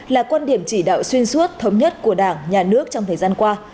là quan điểm chỉ đạo xuyên suốt thống nhất của đảng nhà nước trong thời gian qua